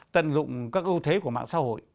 tận dụng các ưu thế của mạng xã hội